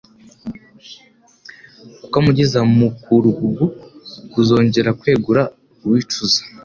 kukamugeza mu mukurugugu kuzongera kwegura uwicuza.